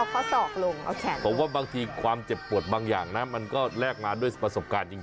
เขาสอกลงเอาผมว่าบางทีความเจ็บปวดบางอย่างนะมันก็แลกมาด้วยประสบการณ์จริง